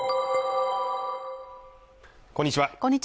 こんにちは